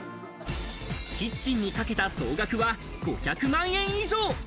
キッチンにかけた総額は５００万円以上。